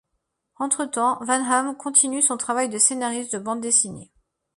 Entre-temps, Van Hamme continue son travail de scénariste de bande dessinée.